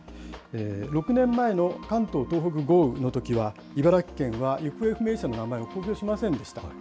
６年前の関東東北豪雨のときは、茨城県は行方不明者の名前を公表しませんでした。